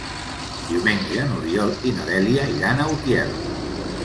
Diumenge n'Oriol i na Dèlia iran a Utiel.